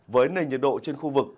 với nền nhiệt độ trên khu vực